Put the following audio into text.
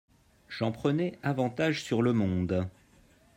J'en prenais avantage sur le monde.